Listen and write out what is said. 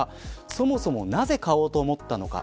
そもそもなぜ買おうと思ったのか。